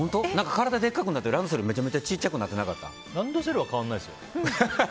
体でかくなってランドセルがめちゃくちゃランドセルは変わらないですよ。